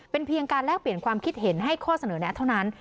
เป็นเพียงการแลกเปลี่ยนความคิดเห็นให้ข้อเสนอแนะเท่านั้น